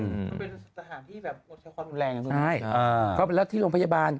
เป็นสถานที่แบบอดแค่ความแรงใช่แล้วที่โรงพยาบาล